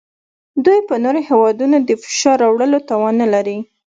دوی په نورو هیوادونو د فشار راوړلو توان نلري